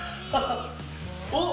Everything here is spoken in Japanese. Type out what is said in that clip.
おっ！